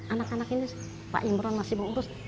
anak anak ini pak imran masih mau urus